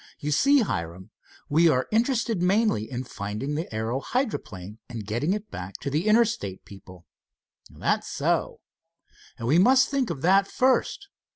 You see, Hiram, we are interested mainly in finding the aero hydroplane, and getting it back to the Interstate people." "That's so." "And we must think of that first."